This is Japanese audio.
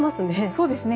そうですね。